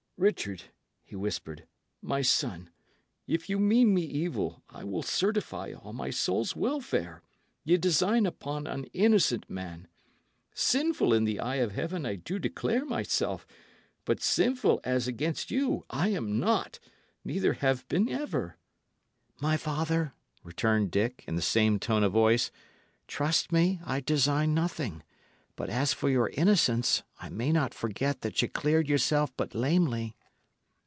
"Richard," he whispered, "my son, if ye mean me evil, I will certify, on my soul's welfare, ye design upon an innocent man. Sinful in the eye of Heaven I do declare myself; but sinful as against you I am not, neither have been ever." "My father," returned Dick, in the same tone of voice, "trust me, I design nothing; but as for your innocence, I may not forget that ye cleared yourself but lamely."